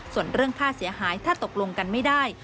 ส่วนเรื่องค่าเสียหายถ้าตกลงกันไม่ได้